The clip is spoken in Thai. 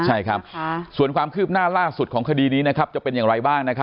ใช่ครับส่วนความคืบหน้าล่าสุดของคดีนี้จะเป็นอย่างไรบ้าง